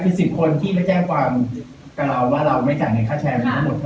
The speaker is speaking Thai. คือสิบคนที่จะจ่างวังว่าแล้วไม่เจ๋งเงินค่าแชร์ทำให้หมดค่ะ